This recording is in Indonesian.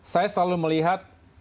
saya selalu melihat